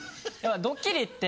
ドッキリって。